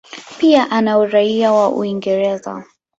Pia ana uraia wa Uingereza.